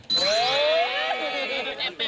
เฮ่ย